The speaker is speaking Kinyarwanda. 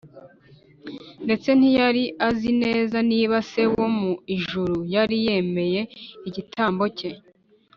ndetse ntiyari azi neza niba se wo mu ijuru yari yemeye igitambo cye